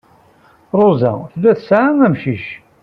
Ṛuza tella tesɛa amcic.